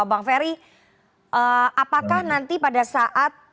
bang ferry apakah nanti pada saat